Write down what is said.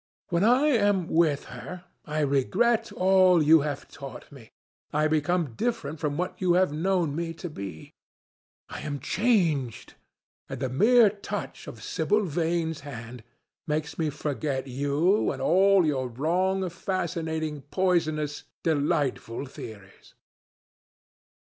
When I am with her, I regret all that you have taught me. I become different from what you have known me to be. I am changed, and the mere touch of Sibyl Vane's hand makes me forget you and all your wrong, fascinating, poisonous, delightful theories."